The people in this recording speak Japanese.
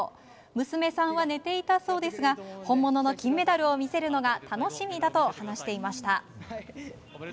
娘さんは寝ていたそうですが本物の金メダルを見せるのが楽しみだと話していました。